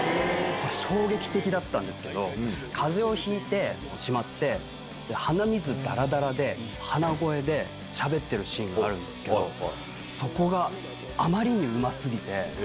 衝撃的だったんですけど風邪をひいてしまって鼻水ダラダラで鼻声でしゃべってるシーンがあるんですけどそこがあまりにうま過ぎて。